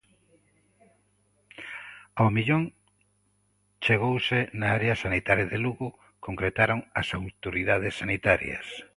Ao millón chegouse na área sanitaria de Lugo, concretaron as autoridades sanitarias.